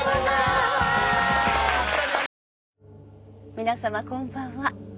皆さまこんばんは。